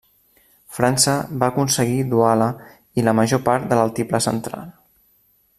França va aconseguir Douala i la major part de l'altiplà central.